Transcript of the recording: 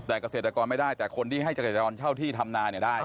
แต่เกษตรกรไม่ได้แต่คนที่ให้เกษตรกรเช่าที่ทำนาเนี่ยได้